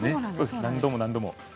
何度も何度も。